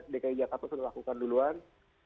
dki jakarta sudah lakukan duluan